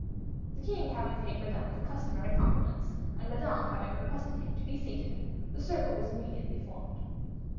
The king having paid Madame the customary compliments, and Madame having requested him to be seated, the circle was immediately formed.